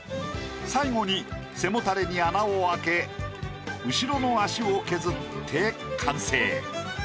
最後に背もたれに穴を開け後ろの脚を削って完成。